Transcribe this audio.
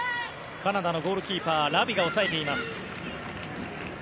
カナダのゴールキーパーラビが押さえています。